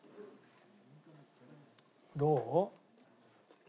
どう？